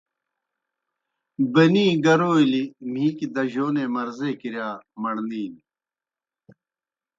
بَنِی گَرَولیْ مِھیکی دجونے مرضے کِرِیا مڑنِینیْ۔